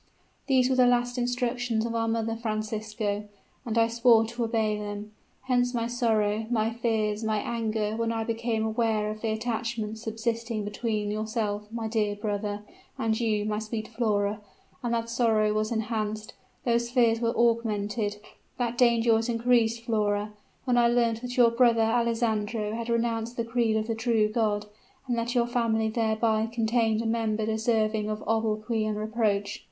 These were the last instructions of our mother, Francisco; and I swore to obey them. Hence my sorrow, my fears, my anger when I became aware of the attachment subsisting between yourself, dear brother, and you, my sweet Flora: and that sorrow was enhanced those fears were augmented that danger was increased, Flora, when I learnt that your brother Alessandro had renounced the creed of the true God, and that your family thereby contained a member deserving of obloquy and reproach.